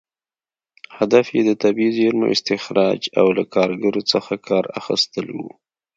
هدف یې د طبیعي زېرمو استخراج او له کارګرو څخه کار اخیستل و.